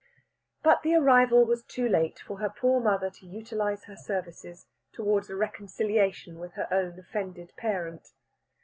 But the arrival was too late for her poor mother to utilise her services towards a reconciliation with her own offended parent.